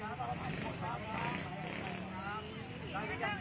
อันดับอันดับอันดับอันดับอันดับ